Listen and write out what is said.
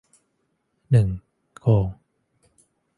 หนึ่ง โกง